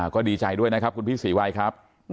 ก็ดีใจด้วยนะครับคุณพี่ศรีวัยครับ